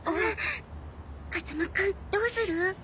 風間くんどうする？